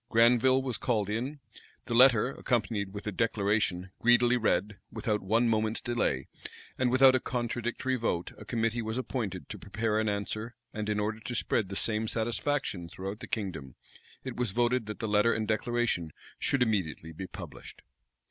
Granville was called in; the letter, accompanied with a declaration, greedily read: without one moment's delay, and without a contradictory vote, a committee was appointed to prepare an answer: and in order to spread the same satisfaction throughout the kingdom, it was voted that the letter and declaration should immediately be published.